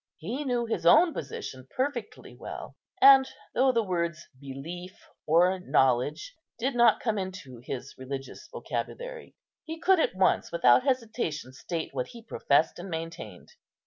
He knew his own position perfectly well, and, though the words "belief" or "knowledge" did not come into his religious vocabulary, he could at once, without hesitation, state what he professed and maintained.